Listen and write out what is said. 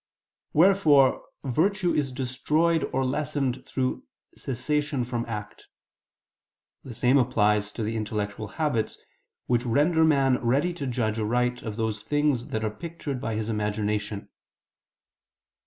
Wherefore virtue is destroyed or lessened through cessation from act. The same applies to the intellectual habits, which render man ready to judge aright of those things that are pictured by his imagination.